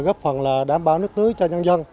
góp phần là đảm bảo nước tưới cho nhân dân